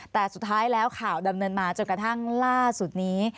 แต่สุดท้ายแล้วข่าวดำเนินมาจนกระทั่งล่าสุดนี้